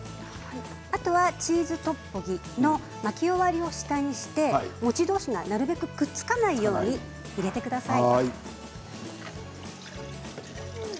あとはチーズトッポギの巻き終わりを下にして餅同士がくっつかないように入れてください。